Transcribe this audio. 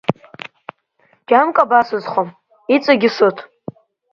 Џьамк абасызхо, иҵегьы сыҭ!